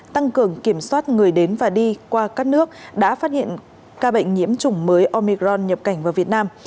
tăng cường kiểm soát người đến và đi qua các nước đã phát hiện ca bệnh nhiễm chủng mới omicron nhập cảnh vào việt nam